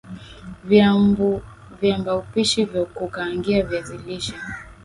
Viambaupishi vya kukaangie viazi lishe